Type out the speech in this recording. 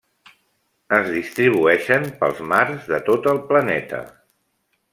Es distribueixen pels mars de tot el planeta.